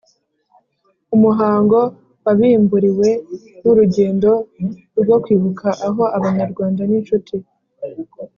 Umuhango wabimburiwe n urugendo rwo kwibuka aho Abanyarwanda n inshuti